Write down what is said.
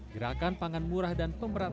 gerakan pangan murah dan pemerintahan